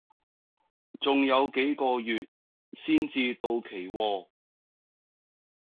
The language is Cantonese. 仲有幾個月先至到期喎